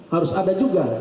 harus ada juga